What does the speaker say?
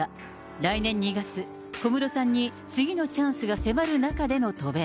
来年２月、小室さんに次のチャンスが迫る中での渡米。